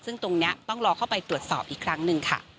ซึ่งตรงนี้ต้องรอเข้าไปตรวจสอบอีกครั้งหนึ่งค่ะ